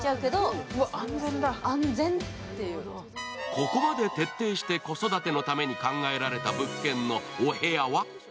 ここまで徹底して子育てのために考えられた物件のお部屋は？